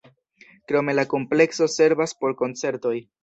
Krome la komplekso servas por koncertoj.